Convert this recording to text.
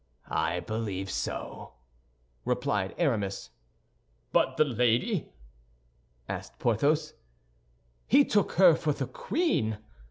"I believe so," replied Aramis. "But the lady?" asked Porthos. "He took her for the queen!"